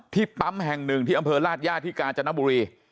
ปั๊มแห่งหนึ่งที่อำเภอราชย่าที่กาญจนบุรี